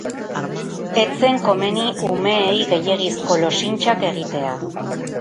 Ez zen komeni umeei gehiegizko losintxak egitea.